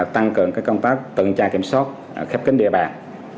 tăng cường các công tác tuần tra kiểm soát khắp kính địa bàn